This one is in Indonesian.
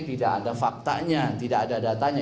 tidak ada faktanya tidak ada datanya